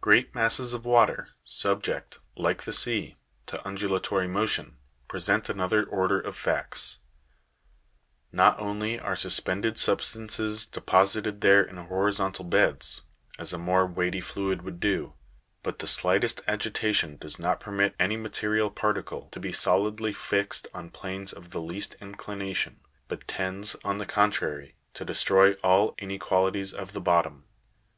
Great masses of water, sub ject, like the sea, to undulalory motion, present another order of facts ; not only are suspended substances deposited there in hori zontal beds, as a more weighty fluid would do, but the slightest agitation does not permit any material particle to be solidly fixed on planes of the least inclination, but tends, on the contrary, to de stroy all inequalities of the bottom.